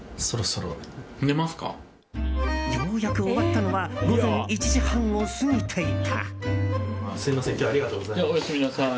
ようやく終わったのは午前１時半を過ぎていた。